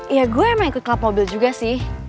ya gue emang ikut klub mobil juga sih